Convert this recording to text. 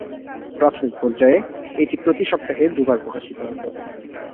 প্রাথমিক পর্যায়ে, এটি প্রতি সপ্তাহে দুবার প্রকাশিত হত।